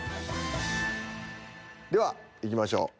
ではいきましょう。